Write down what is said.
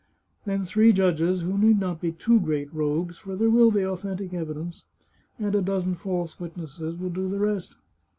Then three judges — who need not be too great rogues, for there will be authentic evidence — and a dozen false witnesses, will do the rest.